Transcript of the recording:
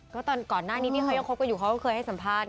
ก็ตอนก่อนหน้านี้ที่เขายังคบกันอยู่เขาก็เคยให้สัมภาษณ์